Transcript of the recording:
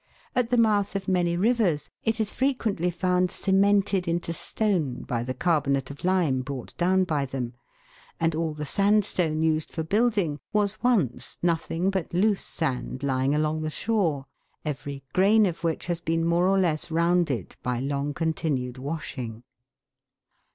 At the mouth of many rivers it is fre quently found cemented into stone by the carbonate of lime brought down by them, and all the sandstone used for build ing was once nothing but loose sand lying along the shore, every grain of which has been more or less rounded by long continued washing.